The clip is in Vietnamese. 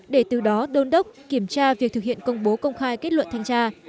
để từ đó đôn đốc kiểm tra việc thực hiện công bố công khai kết luận thanh tra